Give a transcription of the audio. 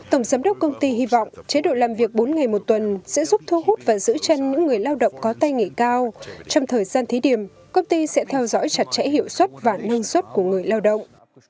tổng giám đốc công ty hy vọng chế độ làm việc bốn ngày một tuần sẽ giúp thu hút và giữ chân những người lao động có tay nghề cao trong thời gian thí điểm công ty sẽ theo dõi chặt chẽ hiệu suất và năng suất của người lao động